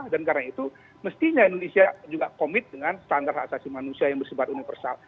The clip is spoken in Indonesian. dan karena itu mestinya indonesia juga komit dengan standar asasi manusia yang bersebar universal